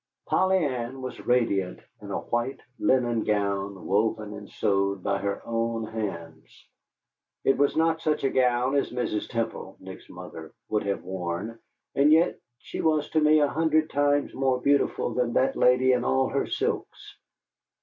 Polly Ann was radiant in a white linen gown, woven and sewed by her own hands. It was not such a gown as Mrs. Temple, Nick's mother, would have worn, and yet she was to me an hundred times more beautiful than that lady in all her silks.